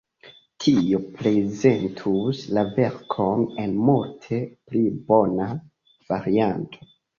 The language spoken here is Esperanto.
Tio prezentus la verkon en multe pli bona varianto.